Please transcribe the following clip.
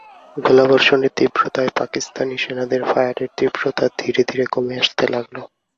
গোলাবর্ষণের তীব্রতায় পাকিস্তানি সেনাদের ফায়ারের তীব্রতা ধীরে ধীরে কমে আসতে লাগল।